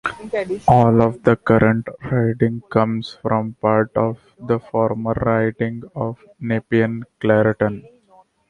All of the current riding comes from parts of the former riding of Nepean-Carleton.